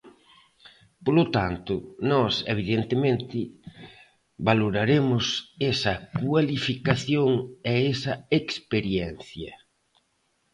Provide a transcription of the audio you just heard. Polo tanto, nós, evidentemente, valoraremos esa cualificación e esa experiencia.